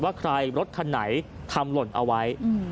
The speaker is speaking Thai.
ว่าใครรถคันไหนทำหล่นเอาไว้